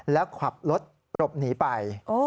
แล้วขับรถหลบหนีไป